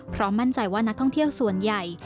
มั่นใจว่านักท่องเที่ยวส่วนใหญ่